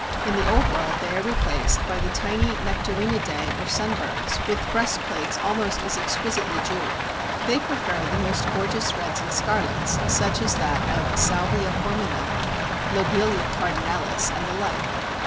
In the Old World they are replaced by the tiny Nectarinidæ or Sunbirds, with breastplates almost as exquisitely jewelled. They prefer the most gorgeous reds and scarlets, such as that of Salvia horminum, Lobelia cardinalis, and the like.